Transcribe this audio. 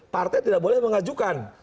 partai tidak boleh mengajukan